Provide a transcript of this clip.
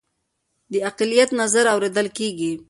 د اقلیت نظر اوریدل کیږي؟